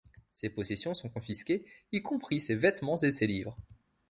Ses possessions sont confisquées, y compris ses vêtements et ses livres.